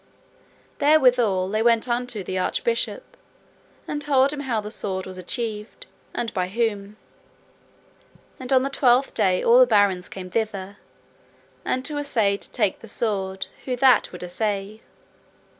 Therewithal they went unto the Archbishop, and told him how the sword was achieved, and by whom; and on Twelfth day all the barons came thither, and to assay to take the sword, who that would assay.